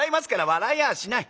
「笑いやしない。